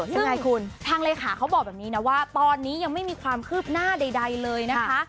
ซึ่งทางเลขาเขาบอกแบบนี้นะว่าตอนนี้ยังไม่มีความคืบหน้าใดเลยนะคะ